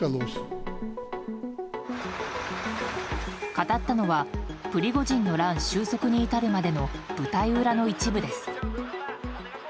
語ったのはプリゴジンの乱収束に至るまでの舞台裏の一部です。